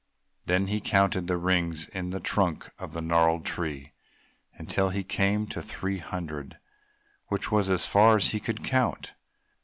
Then he counted the rings in the trunk of the gnarled tree until he came to three hundred, which was as far as he could count.